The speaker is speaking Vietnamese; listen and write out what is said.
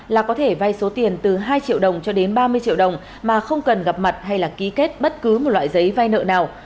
là có thể vay số tiền từ hai triệu đồng cho đến ba mươi triệu đồng mà không cần gặp mặt hay là ký kết bất cứ một loại giấy vay nợ nào